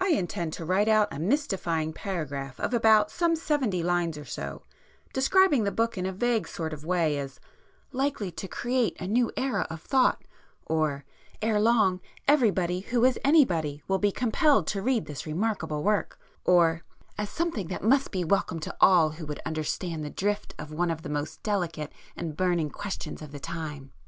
I intend to write out a mystifying paragraph of about some seventy lines or so, describing the book in a vague sort of way as 'likely to create a new era of thought'—or, 'ere long everybody who is anybody will be compelled to read this [p 97] remarkable work,'—or 'as something that must be welcome to all who would understand the drift of one of the most delicate and burning questions of the time.